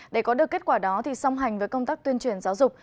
để có được kết quả đó thì song hành với công tác tuyên truyền giáo dục